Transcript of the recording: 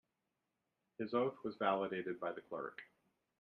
His oath was validated by the clerk.